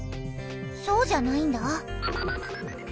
そうじゃないんだ。